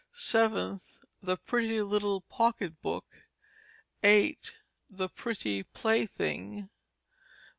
7th, The Pretty Little Pocket Book. 8th, The Pretty Plaything.